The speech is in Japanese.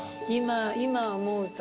今思うと。